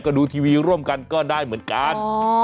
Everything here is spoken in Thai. ก็ดูทีวีร่วมกันก็ได้เหมือนกัน